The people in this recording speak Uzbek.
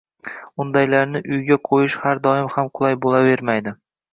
undaylarni uyga qo‘yish har doim ham qulay bo‘lavermaydi.